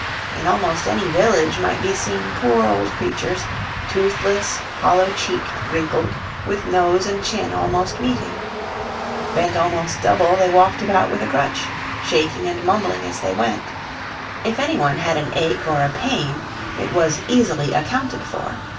In almost any village might be seen poor old creatures, toothless, hollow cheeked, wrinkled, with nose and chin almost meeting. Bent almost double, they walked about with a crutch, shaking and mumbling as they went. If any one had an ache or a pain it was easily accounted for.